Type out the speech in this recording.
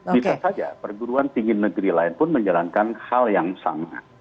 bisa saja perguruan tinggi negeri lain pun menjalankan hal yang sama